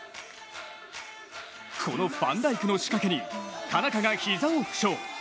このファンダイクの仕掛けに田中が膝を負傷。